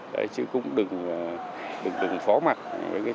đấy chứ cũng đừng phó mặt với cái tài sản